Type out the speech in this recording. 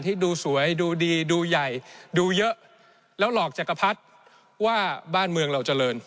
ที่ดูสวยดูดีดูใหญ่ดูเยอะแล้วหลอกจักรพรรดิว่าบ้านเมืองเราเจริญ